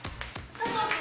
佐藤君？